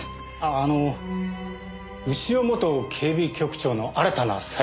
あの潮元警備局長の新たな再就職先は？